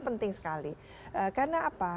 penting sekali karena apa